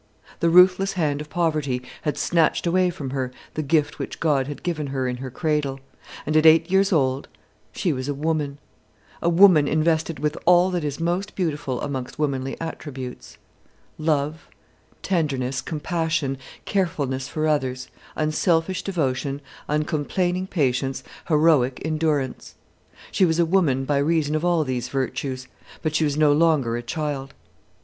The ruthless hand of poverty had snatched away from her the gift which God had given her in her cradle; and at eight years old she was a woman, a woman invested with all that is most beautiful amongst womanly attributes love, tenderness, compassion, carefulness for others, unselfish devotion, uncomplaining patience, heroic endurance. She was a woman by reason of all these virtues; but she was no longer a child.